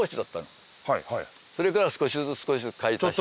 それから少しずつ少しずつ開墾して。